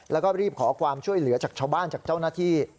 แล้วก็รีบขอความช่วยเหลือจากชาวบ้านจากเจ้าหน้าที่